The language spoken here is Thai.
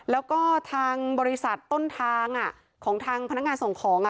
แล้วก็ทางบริษัทต้นทางของทางพนักงานส่งของ